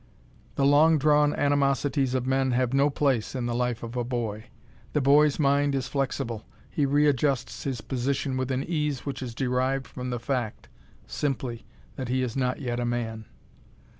The long drawn animosities of men have no place in the life of a boy. The boy's mind is flexible; he readjusts his position with an ease which is derived from the fact simply that he is not yet a man.